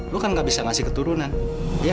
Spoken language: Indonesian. lo kan gak bisa ngasih keturunan iya kan